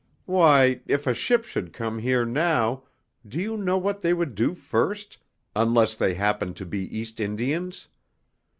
Why, if a ship should come here now, do you know what they would do first, unless they happened to be East Indians?